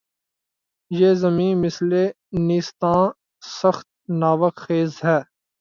یہ زمیں مثلِ نیستاں‘ سخت ناوک خیز ہے